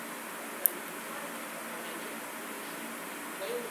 Walivyofanya kwa kuangalia televisheni.